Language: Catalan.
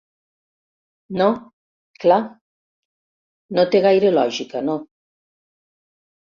No, clar, no té gaire lògica, no.